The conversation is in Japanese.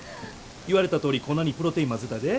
言われたとおり粉にプロテイン混ぜたで。